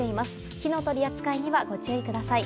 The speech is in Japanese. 火の取り扱いにはご注意ください。